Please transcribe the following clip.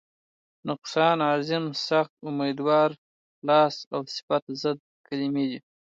نقصان، عظیم، سخت، امیدوار، خلاص او صفت ضد کلمې دي.